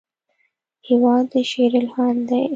هېواد د شعر الهام دی.